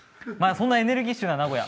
そんなエネルギッシュな名古屋